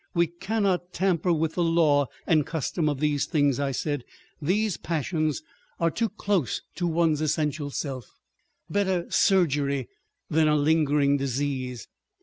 "We cannot tamper with the law and customs of these things," I said; "these passions are too close to one's essential self. Better surgery than a lingering disease!